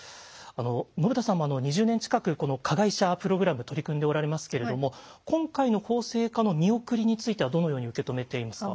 信田さんも２０年近くこの加害者プログラム取り組んでおられますけれども今回の法制化の見送りについてはどのように受け止めていますか？